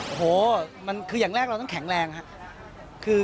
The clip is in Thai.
โอ้โฮอย่างแรกเราต้องแข็งแรงค่ะ